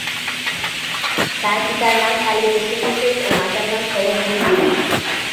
তার পিতার নাম কালীপ্রসন্ন সেন ও মাতার নাম সরোজিনী দেবী।